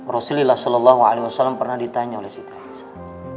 rasulullah saw pernah ditanya oleh siti aisyah